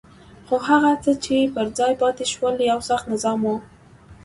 خو هغه څه چې پر ځای پاتې شول یو سخت نظام وو.